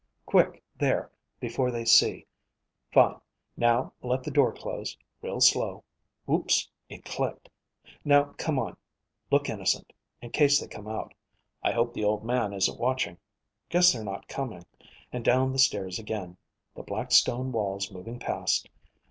Quick, there, before they see. Fine. Now, let the door close, real slow. Ooops. It clicked. Now come on, look innocent, in case they come out. I hope the Old Man isn't watching. Guess they're not coming. And down the stairs again, the black stone walls moving past.